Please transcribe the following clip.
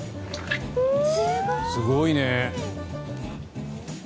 すごいね。